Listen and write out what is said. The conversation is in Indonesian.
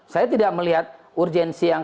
saya tidak melihat urgensi yang